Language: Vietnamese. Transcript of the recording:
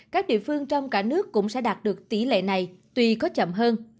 các địa phương trong cả nước cũng sẽ đạt được tỷ lệ này tuy có chậm hơn